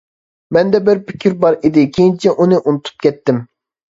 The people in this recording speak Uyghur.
مەندە بىر پىكىر بار ئىدى، كېيىنچە ئۇنى ئۇنتۇپ كەتتىم.